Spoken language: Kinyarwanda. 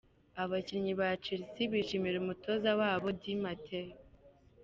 Abakinnyi ba Chelsea bashimira umutoza wabo, Di Mateo.